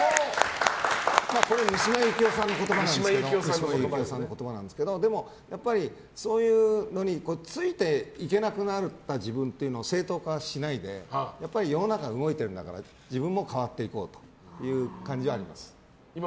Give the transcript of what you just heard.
これ、三島由紀夫さんの言葉なんですけどやっぱり、そういうのについていけなくなった自分というのを正当化しないで世の中が動いてるんだから自分も変わっていこうという感じはあります。